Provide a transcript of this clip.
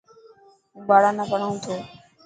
هون ٻاران نا پهڙائون ٿو.